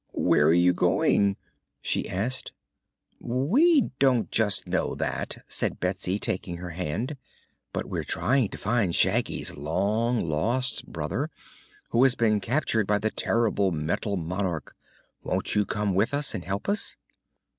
"Where are you going?" she asked. "We don't just know that," said Betsy, taking her hand; "but we're trying to find Shaggy's long lost brother, who has been captured by the terrible Metal Monarch. Won't you come with us, and help us?"